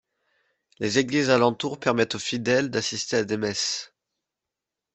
Les églises alentour permettent aux fidèles d'assister à des messes.